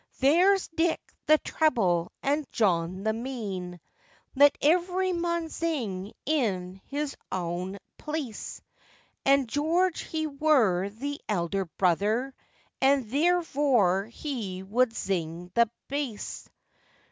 There's Dick the treble, and John the meean, (Let every mon zing in his auwn pleace,) And George he wur the elder brother, And therevoor he would zing the beass.